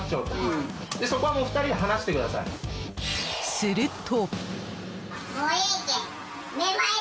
すると。